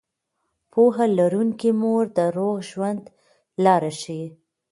پوهه لرونکې مور د روغ ژوند لاره ښيي.